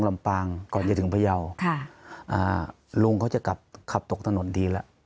ลำปางก่อนจะถึงพยาวค่ะอ่าลุงเขาจะกลับขับตกถนนทีละ